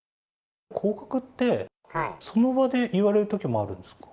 降格って、その場で言われるときもあるんですか？